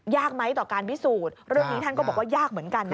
ไหมต่อการพิสูจน์เรื่องนี้ท่านก็บอกว่ายากเหมือนกันนะ